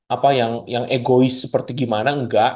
apa yang egois seperti gimana enggak